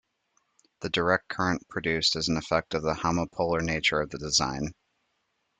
The direct current produced is an effect of the homopolar nature of the design.